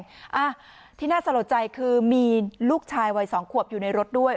อ่าที่น่าสะลดใจคือมีลูกชายวัยสองขวบอยู่ในรถด้วย